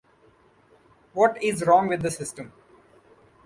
What is wrong with the system?